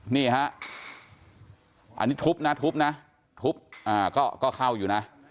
นี่ฮะอันนี้ทุบนะทุบนะทุบก็เข้าอยู่นะ